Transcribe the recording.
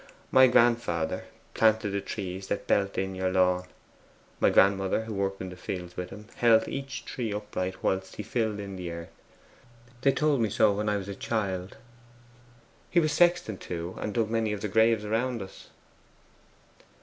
My grandfather planted the trees that belt in your lawn; my grandmother who worked in the fields with him held each tree upright whilst he filled in the earth: they told me so when I was a child. He was the sexton, too, and dug many of the graves around us.